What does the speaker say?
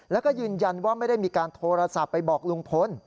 แล้วก็ยืนยันว่าไม่ได้มีการโทรศัพท์ไปบอกลุงพล